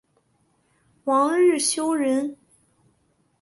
王日休人。